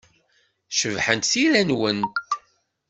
Cebḥent tira-nwent.